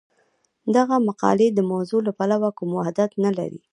دغه مقالې د موضوع له پلوه کوم وحدت نه لري.